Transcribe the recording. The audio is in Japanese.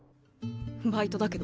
バイトだけど。